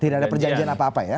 tidak ada perjanjian apa apa ya